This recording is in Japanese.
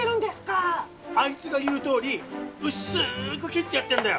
⁉あいつが言うとおり薄く切ってやってるんだよ！